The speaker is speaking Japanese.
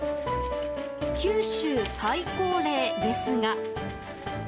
九州最高齢ですが。